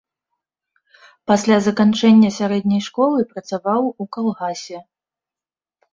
Пасля заканчэння сярэдняй школы працаваў у калгасе.